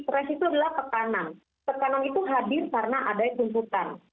stres itu adalah petanan petanan itu hadir karena ada yang tumpukan